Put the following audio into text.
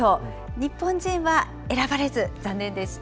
日本人は選ばれず残念でした。